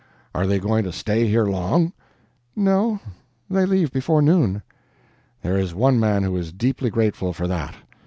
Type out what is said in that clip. Are they going to stay here long?" "No, they leave before noon." "There is one man who is deeply grateful for that.